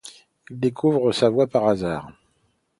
Il découvre sa voix par hasard.